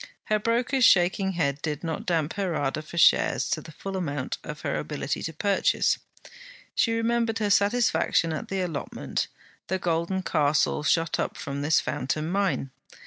Her broker's shaking head did not damp her ardour for shares to the full amount of her ability to purchase. She remembered her satisfaction at the allotment; the golden castle shot up from this fountain mine.